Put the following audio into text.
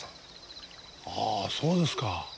ああそうですか。